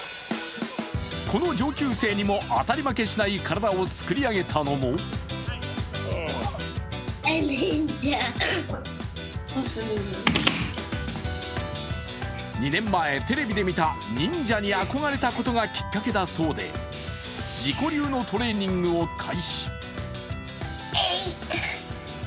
この上級生にも当たり負けしない体を作り上げたのも２年前、テレビで見た忍者に憧れたことがきっかけだそうで、自己流のトレーニングを開始。